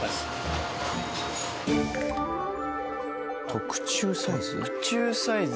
特注サイズ？